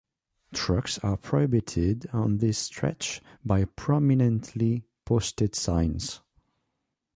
Trucks are prohibited on this stretch by prominently-posted signs.